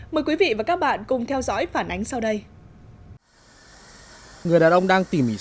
mời quý vị và các bạn cùng theo dõi phản ánh sau đây